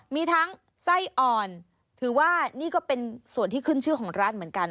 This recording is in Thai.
มีทั้งไส้อ่อนถือว่านี่ก็เป็นส่วนที่ขึ้นชื่อของร้านเหมือนกัน